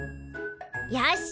よし！